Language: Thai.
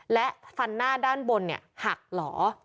และฟันหน้าด้านบนหักหล่อ